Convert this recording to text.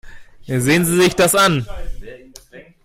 Sehen Sie sich das an.